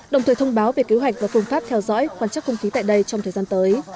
đồng thời thông báo về kế hoạch và phương pháp theo dõi quan chắc không khí tại đây trong thời gian tới